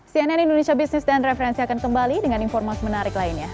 cnn indonesia business dan referensi akan kembali dengan informasi menarik lainnya